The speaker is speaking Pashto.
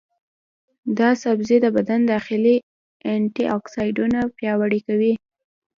دا سبزی د بدن داخلي انټياکسیدانونه پیاوړي کوي.